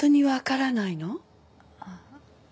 あっ。